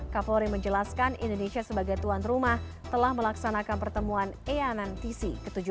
kapolri menjelaskan indonesia sebagai tuan rumah telah melaksanakan pertemuan anantc ke tujuh belas